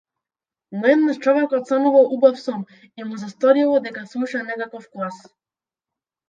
Но еднаш човекот сонувал убав сон и му се сторило дека слуша некаков клас.